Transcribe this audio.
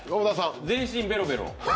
全身ベロベロ。